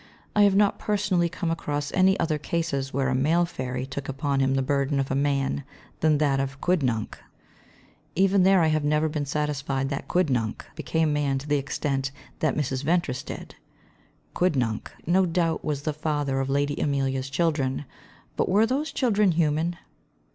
I have not personally come across any other cases where a male fairy took upon him the burden of a man than that of Quidnunc. Even there I have never been satisfied that Quidnunc became man to the extent that Mrs. Ventris did. Quidnunc, no doubt, was the father of Lady Emily's children; but were those children human?